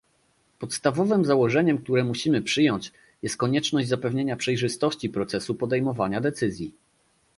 Podstawowym założeniem, które musimy przyjąć, jest konieczność zapewnienia przejrzystości procesu podejmowania decyzji